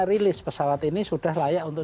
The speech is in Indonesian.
rilis pesawat ini sudah layak untuk